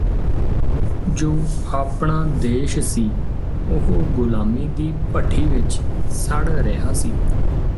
ਜੋ ਆਪਣਾ ਦੇਸ਼ ਸੀ ਉਹ ਗ਼ੁਲਾਮੀ ਦੀ ਭੱਠੀ ਵਿੱਚ ਸੜ ਰਿਹਾ ਸੀ